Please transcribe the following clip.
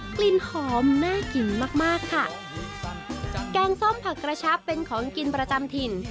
กลิ่นหอมน่ากินมากมากค่ะแกงส้มผักกระชับเป็นของกินประจำถิ่น